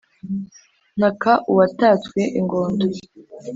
Ntaka uwatatswe ingondo